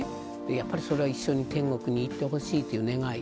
やっぱりそれは一緒に天国にいってほしいという願い